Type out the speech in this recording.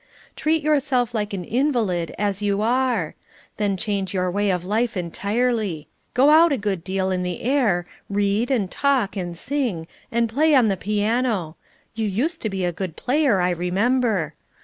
Treat yourself like an invalid, as you are. Then change your way of life entirely: go out a good deal in the air, read, and talk, and sing, and play on the piano you used to be a good player, I remember.